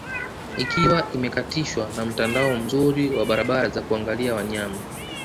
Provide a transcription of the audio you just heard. Ikiwa imekatishwa na mtandao mzuri wa barabara za kuangalia wanyama